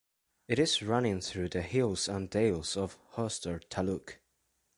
It is running through the hills and dales of Hosdurg Taluk.